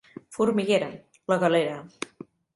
Formiguera, la Galera.